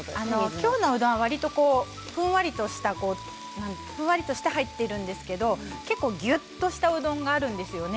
今日のうどんは、わりとふんわりとしたものなんですけれども結構ギュッとしたうどんがあるんですよね。